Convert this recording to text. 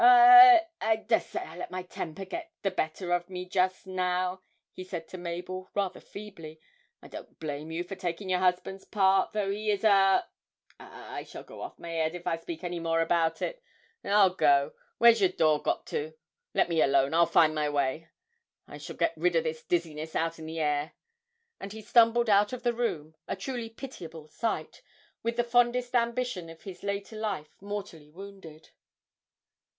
I I dessay I let my temper get the better o' me just now,' he said to Mabel, rather feebly. 'I don't blame you for taking your husband's part, though he is a ah, I shall go off my 'ead if I speak any more about it. I'll go where's your door got to? Let me alone; I'll find my way. I shall get rid of this dizziness out in the air;' and he stumbled out of the room, a truly pitiable sight, with the fondest ambition of his later life mortally wounded.